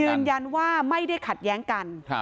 ยืนยันว่าไม่ได้ขัดแย้งกัน